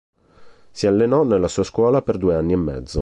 Si allenò nella sua scuola per due anni e mezzo.